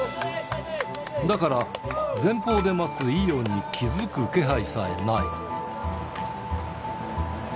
だから、前方で待つ伊代に気付く気配さえない。